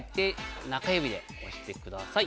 中指で押してください。